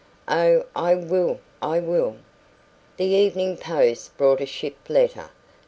"Oh, I will! I will!" The evening post brought a ship letter.